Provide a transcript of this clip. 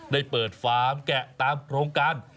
ได้เปิดฟาร์มแกะตามโครงการ